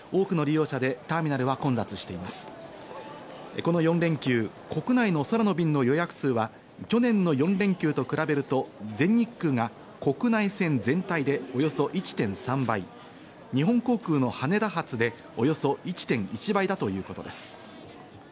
この４連休、国内の空の便の予約数は去年の４連休と比べると全日空が国内線全体でおよそ１．３倍、日本航空の羽田発でおよそ１．１倍だということです。